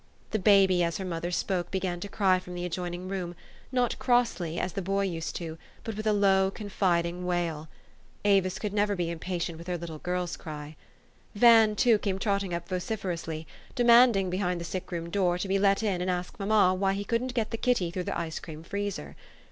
The baby, as her mother spoke, began to cry from the adjoining room ; not cross!}', as the boy used to, but with a low, confiding wail. Avis could never be impatient with her little girl's cry. Van, too, came trotting up vociferously, de manding, behind the sick room door, to be let in and ask mamma why he couldn't get the kitty THE STORY OF AVIS. 331 through the ice cream freezer.